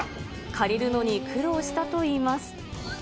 借りるのに苦労したといいます。